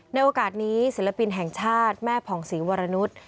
ในโอกาสนี้ศิลปินแห่งชาติแม่ผ่องศรีวรนุษย์